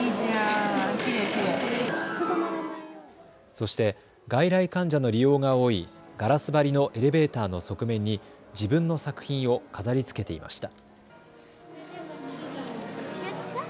そして外来患者の利用が多いガラス張りのエレベーターの側面に自分の作品を飾りつけていました。